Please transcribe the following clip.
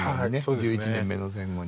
１１年目の前後に。